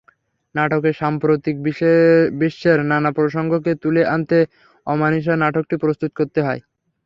নাটকে সাম্প্রতিক বিশ্বের নানা প্রসঙ্গকে তুলে আনতে অমানিশা নাটকটি প্রস্তুত করতে হয়।